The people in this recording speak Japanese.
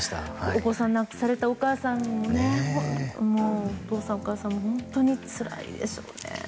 お子さんを亡くされたお父さん、お母さんも本当につらいでしょうね。